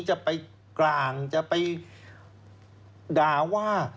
จะไปกลางจะไปด่าว่า